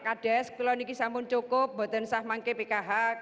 sekarang saya ingin mengucapkan terima kasih kepada pkk